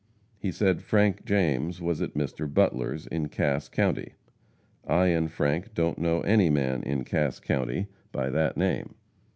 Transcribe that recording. He said Frank James was at Mr. Butler's, in Cass county. I and Frank don't know any man in Cass county by that name.